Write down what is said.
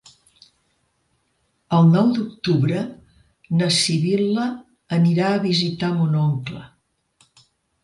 El nou d'octubre na Sibil·la anirà a visitar mon oncle.